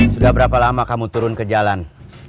sudah berapa lama kamu turun ke jalan